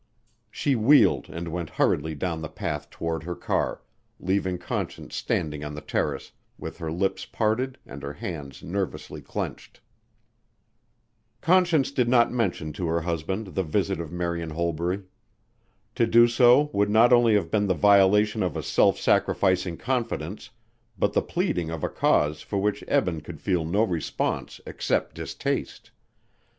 She wheeled and went hurriedly down the path toward her car, leaving Conscience standing on the terrace, with her lips parted and her hands nervously clenched. Conscience did not mention to her husband the visit of Marian Holbury. To do so would not only have been the violation of a self sacrificing confidence but the pleading of a cause for which Eben could feel no response except distaste.